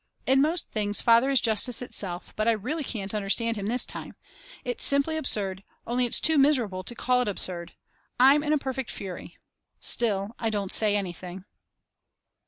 In most things Father is justice itself, but I really can't understand him this time. It's simply absurd, only it's too miserable to call it absurd. I'm in a perfect fury. Still, I don't say anything.